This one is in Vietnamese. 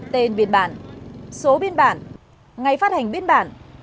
tên biên bản số biên bản ngày phát hành biên bản